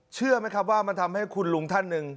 เชื่อไหมครับว่ามันทำให้คุณลุงท่านหนึ่ง